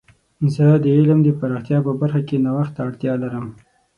زه د علم د پراختیا په برخه کې نوښت ته اړتیا لرم.